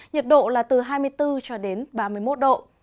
nhiệt độ là từ hai mươi bốn ba mươi một độ